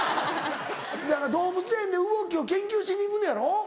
動物園で動きを研究しに行くのやろ？